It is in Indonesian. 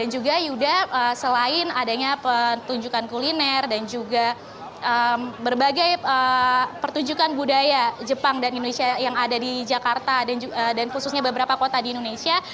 jadi yuda selain adanya petunjukan kuliner dan juga berbagai pertunjukan budaya jepang dan indonesia yang ada di jakarta dan khususnya beberapa kota di indonesia